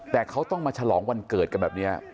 แต่เขาต้องมาฉลองวันเกิดกันแบบนี้